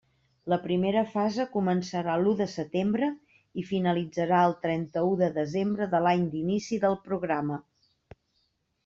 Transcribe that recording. La primera fase començarà l'u de setembre i finalitzarà el trenta-u de desembre de l'any d'inici del programa.